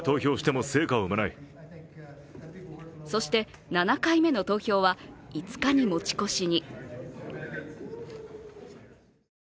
そして、７回目の投票は５日に持ち越しに。